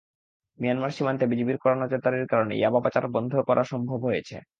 Myanmar সীমান্তে বিজিবির কড়া নজরদারির কারণে ইয়াবা পাচার বন্ধ করা সম্ভব হয়েছে।